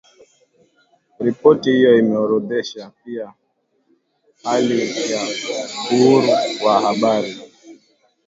Ripoti hiyo imeorodhesha pia hali ya uhuru wa habari